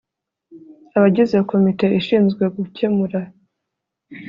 abagize komite ishinzwe gukemura